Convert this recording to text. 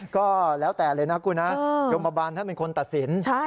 ก็แล้วแต่เลยนะคุณนะยมบันท่านเป็นคนตัดสิน